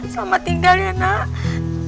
selamat tinggal ya nak